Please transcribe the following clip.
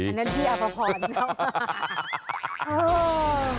อันนั้นพี่อัพพรนะ